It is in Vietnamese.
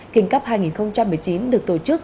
kinh cấp hai nghìn một mươi chín được tổ chức